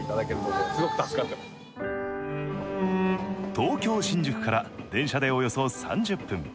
東京・新宿から電車でおよそ３０分。